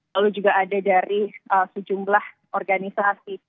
lalu juga ada dari sejumlah organisasi